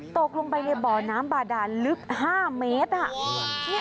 ตกลงไปในบ่อน้ำบาดานลึก๕เมตร